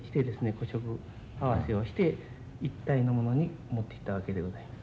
古色合わせをして一体のものに持っていったわけでございます。